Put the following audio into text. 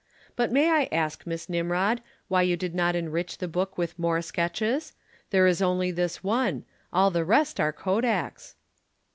But may I ask, Miss Nimrod, why you did not enrich the book with more sketches? There is only this one. All the rest are Kodaks."